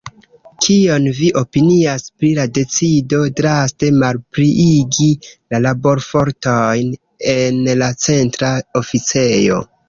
Kion vi opinias pri la decido draste malpliigi la laborfortojn en la Centra Oficejo?